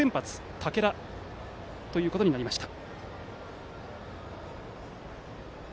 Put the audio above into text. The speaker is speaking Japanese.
竹田ということになりました。